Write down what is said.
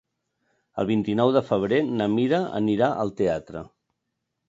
El vint-i-nou de febrer na Mira anirà al teatre.